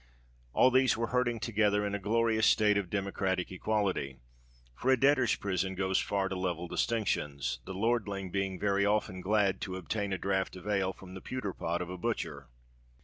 All these were herding together in a glorious state of democratic equality; for a debtors' prison goes far to level distinctions, the lordling being very often glad to obtain a draught of ale from the pewter pot of a butcher.